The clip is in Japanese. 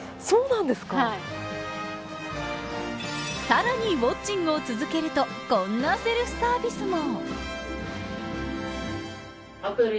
さらにウォッチングを続けるとこんなセルフサービスも。